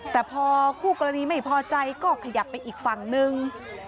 แต่พอคู่กรณีไม่พอใจก็ขยับไปอีกฝั่งนึง